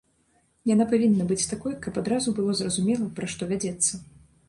Яна павінна быць такой, каб адразу было зразумела, пра што вядзецца.